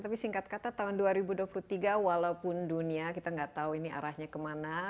tapi singkat kata tahun dua ribu dua puluh tiga walaupun dunia kita nggak tahu ini arahnya kemana